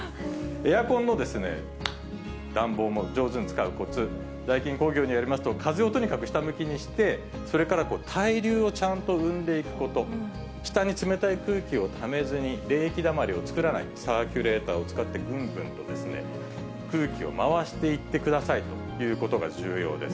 エアコンのですね、暖房も上手に使うこつ、ダイキン工業によりますと、風をとにかく下向きにして、それから対流をちゃんと生んでいくこと、下に冷たい空気をためずに冷気だまりを作らない、サーキュレーターを使って、ぶんぶんと空気を回していってくださいということが重要です。